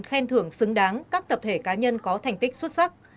khen thưởng xứng đáng các tập thể cá nhân có thành tích xuất sắc